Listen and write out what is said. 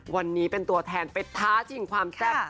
วันนี้เป็นตัวแทนไปท้าชิงความแซ่บ